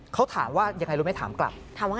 เขาถามว่ายังไงรู้ไหมถามกลับ